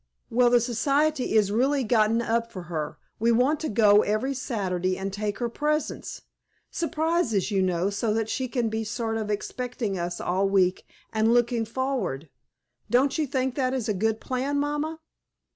"Well, the society is really gotten up for her. We want to go every Saturday, and take her presents. Surprises, you know, so that she can be sort of expecting us all the week and looking forward. Don't you think that is a good plan, mamma?"